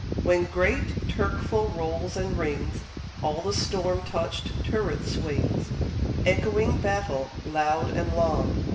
When great Turkeful rolls and rings All the storm touched turret swings, Echoing battle, loud and long.